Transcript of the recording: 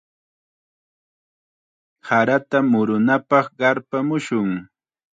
Sarata murunapaq qarpamushun.